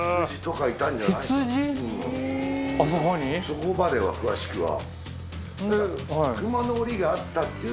そこまでは詳しくは。